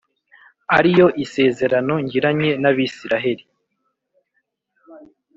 ari yo isezerano ngiranye nabisiraheli